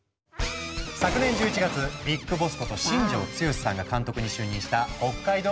昨年１１月「ＢＩＧＢＯＳＳ」こと新庄剛志さんが監督に就任した北海道日本ハムファイターズ。